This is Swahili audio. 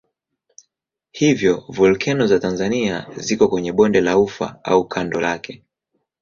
Hivyo volkeno za Tanzania ziko kwenye bonde la Ufa au kando lake.